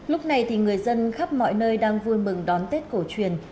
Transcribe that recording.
lúc này thì người dân khắp mọi nơi đang vui mừng đón tết cổ truyền